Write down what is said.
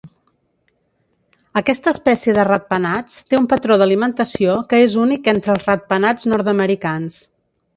Aquesta espècie de ratpenats té un patró d'alimentació que és únic entre els ratpenats nord-americans.